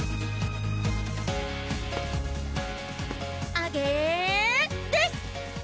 アゲーです！